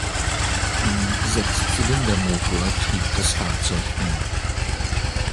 Ein Sechszylindermotor trieb das Fahrzeug an.